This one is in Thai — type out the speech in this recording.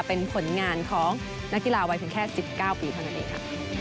เป็นผลงานของนักกีฬาวัยเพียงแค่๑๙ปีเท่านั้นเองค่ะ